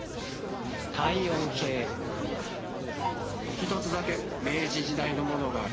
１つだけ明治時代のものがある。